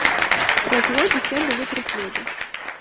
Праз год усе былі пры хлебе.